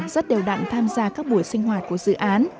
rất đều đặn tham gia các buổi sinh hoạt của dự án